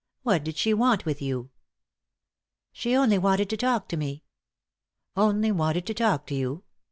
What did she want with you ?"" She only wanted to talk to me." "Only wanted to talk to you